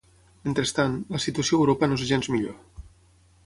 Mentrestant, la situació a Europa no és gens millor.